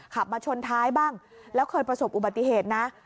ขับมาชนท้ายบ้างแล้วเคยประสบอุบัติเหตุนะ